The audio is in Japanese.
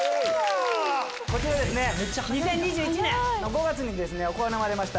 ２０２１年５月に行われました